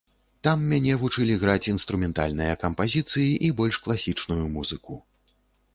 Там мяне вучылі граць інструментальныя кампазіцыі і больш класічную музыку.